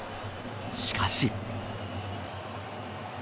しかし。